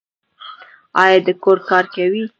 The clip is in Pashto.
ایا د کور کار کوي؟